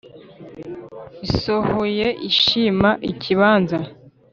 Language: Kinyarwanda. isohoye ishima ikibanza.